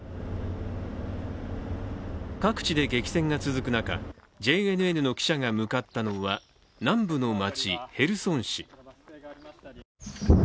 各地で激戦が続く中、ＪＮＮの記者が向かったのは南部の街ヘルソン市。